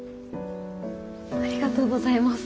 ありがとうございます。